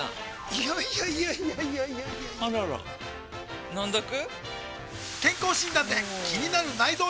いやいやいやいやあらら飲んどく？